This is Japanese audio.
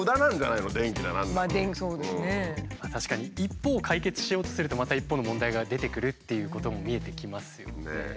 確かに一方を解決しようとするとまた一方の問題が出てくるっていうことも見えてきますよね。